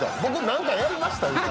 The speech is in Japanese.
僕何かやりました？